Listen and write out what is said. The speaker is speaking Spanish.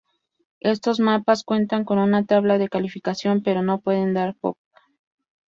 Estos mapas cuentan con una tabla de calificación pero no pueden dar pp.